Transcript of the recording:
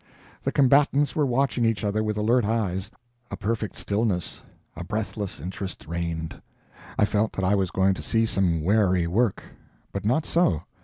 The combatants were watching each other with alert eyes; a perfect stillness, a breathless interest reigned. I felt that I was going to see some wary work. But not so.